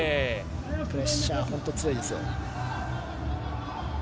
プレッシャーが本当に強いですよ。